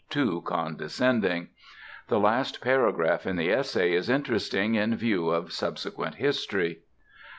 too condescending. The last paragraph in this essay is interesting in view of subsequent history.